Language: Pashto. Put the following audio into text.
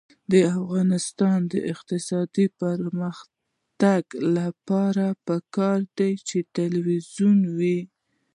د افغانستان د اقتصادي پرمختګ لپاره پکار ده چې تلویزیون وي.